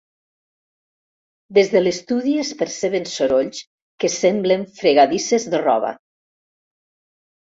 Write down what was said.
Des de l'estudi es perceben sorolls que semblen fregadisses de roba.